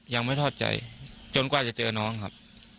ยังไม่ทอดใจจนกว่าจะเจอน้องครับ